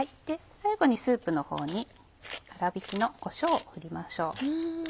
最後にスープのほうに粗びきのこしょうを振りましょう。